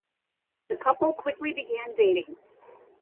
The couple quickly began dating.